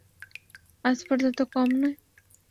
আস্পর্ধা তো কম নয়।